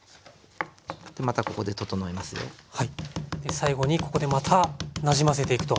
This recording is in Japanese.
最後にここでまたなじませていくと。